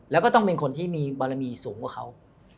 แล้วก็ต้องเป็นคนที่มีบารมีสูงกว่าเขา